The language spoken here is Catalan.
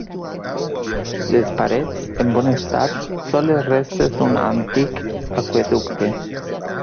Les parets, en bon estat, són les restes d'un antic aqüeducte.